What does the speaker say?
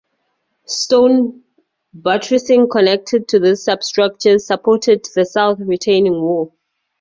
Stone buttressing, connected to this substructure, supported the south retaining wall.